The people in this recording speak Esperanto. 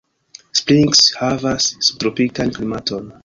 Springs havas subtropikan klimaton.